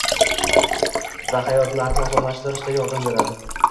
va hayotlarini osonlashtirishda yordam beradi.